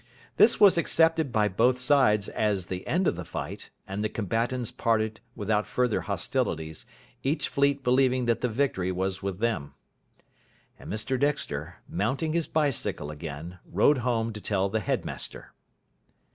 This was accepted by both sides as the end of the fight, and the combatants parted without further hostilities, each fleet believing that the victory was with them. And Mr Dexter, mounting his bicycle again, rode home to tell the headmaster.